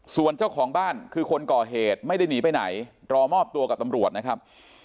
ส่วนเจ้าของบ้านคือคนก่อเหตุไม่ได้หนีไปไหนรอมอบตัวกับตำรวจนะครับ